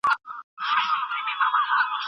که پیسې ډېرې وي نو ژوند به اسانه شي.